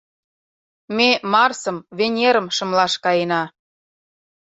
Ме Марсым, Венерым шымлаш каена.